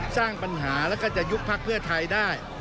สร้างปัญหาแล้วก็จะยุบพักเพื่อไทยได้